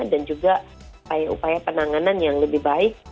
dan juga upaya penanganan yang lebih baik